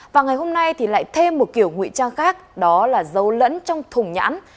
và ngày hôm nay thì lại thêm một kiểu ngụy trang khác đó là dấu lẫn trong thùng nhãn